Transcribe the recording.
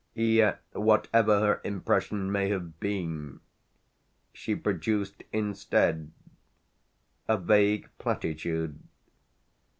Yet whatever her impression may have been she produced instead a vague platitude.